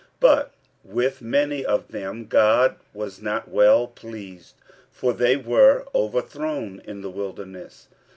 46:010:005 But with many of them God was not well pleased: for they were overthrown in the wilderness.